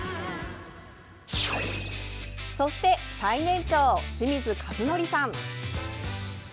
そして最年長、清水一憲さん。